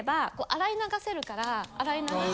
洗い流して。